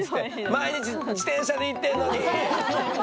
毎日自転車で行ってんのに！